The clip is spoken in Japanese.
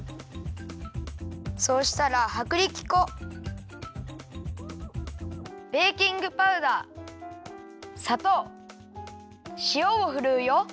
そうしたらはくりき粉ベーキングパウダーさとうしおをふるうよ。